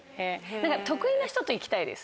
得意な人と行きたいです。